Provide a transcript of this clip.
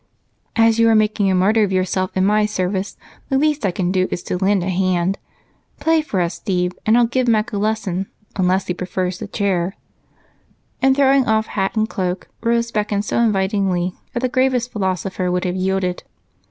"As you are making a martyr of yourself in my service, the least I can do is lend a hand. Play for us, Steve, and I'll give Mac a lesson, unless he prefers the chair." And, throwing off her hat and cloak, Rose beckoned so invitingly that the gravest philosopher would have yielded.